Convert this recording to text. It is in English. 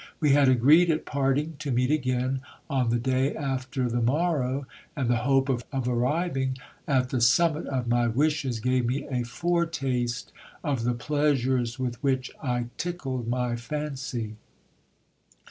We had agreed at parting to meet again on the day after the morrow ; and the hope of arriving at the sum mit of my wishes gave me a foretaste of the pleasures with which I tickled my fancy.